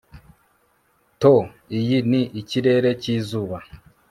Tho iyi ni ikirere cyizuba